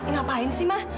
ngapain sih ma